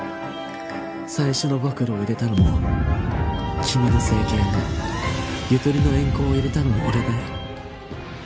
最初の暴露を入れたのも君の整形もゆとりの援交を入れたのも俺だよ